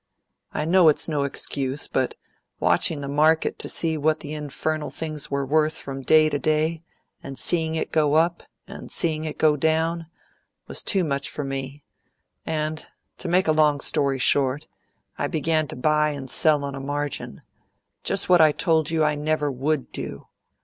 I know it's no excuse; but watching the market to see what the infernal things were worth from day to day, and seeing it go up, and seeing it go down, was too much for me; and, to make a long story short, I began to buy and sell on a margin just what I told you I never would do.